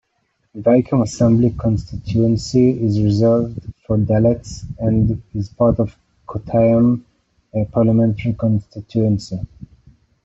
Vaikom assembly constituency is reserved for Dalits and is part of Kottayam parliamentary constituency.